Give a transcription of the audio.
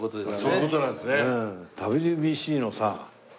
そういう事なんですね。